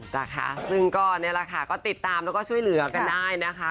นะคะซึ่งก็นี่แหละค่ะก็ติดตามแล้วก็ช่วยเหลือกันได้นะคะ